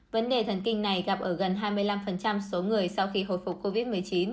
vấn đề thần kinh này gặp ở gần hai mươi năm số người sau khi hồi phục covid một mươi chín